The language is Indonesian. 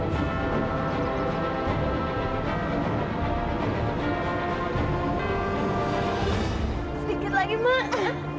sedikit lagi mak